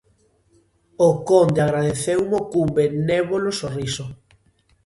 O conde agradeceumo cun benévolo sorriso.